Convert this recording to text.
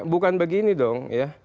bukan begini dong ya